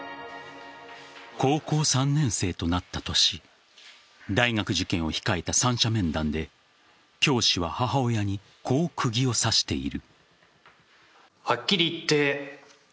高校３年生となった年大学受験を控えた三者面談で教師は母親にこう釘を刺している。